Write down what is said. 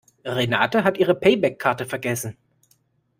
Renate hat ihre Payback-Karte vergessen.